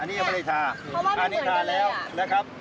อันนี้ยังไม่ได้ทาเพราะว่ามันเหมือนกันเลยอ่ะนะครับ